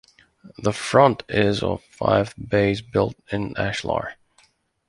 The front is of five bays built in ashlar.